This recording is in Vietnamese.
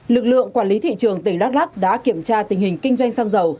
lực lượng quản lý thị trường tỉnh đắk lắc đã kiểm tra tình hình kinh doanh xăng dầu